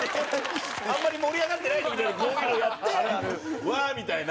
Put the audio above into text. あんまり盛り上がってない時でもこういうのをやってうわー！みたいな。